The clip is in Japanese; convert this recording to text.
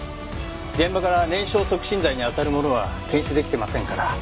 現場から燃焼促進剤にあたるものは検出出来てませんから。